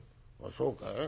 「そうかい。